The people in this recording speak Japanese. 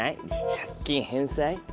借金返済？